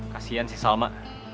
kasian sih salma